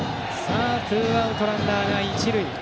ツーアウトランナーが一塁。